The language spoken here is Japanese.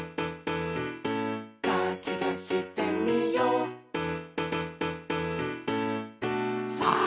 「かきたしてみよう」さあ！